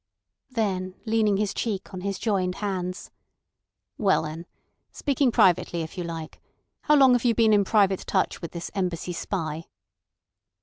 Then leaning his cheek on his joined hands: "Well then—speaking privately if you like—how long have you been in private touch with this Embassy spy?"